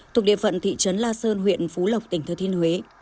thuộc địa phận thị trấn la sơn huyện phú lộc tỉnh thừa thiên huế